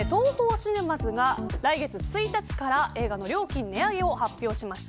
シネマズが来月１日から映画の料金値上げを発表しました。